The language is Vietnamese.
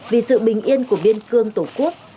vì sự bình yên của biên cương tổ quốc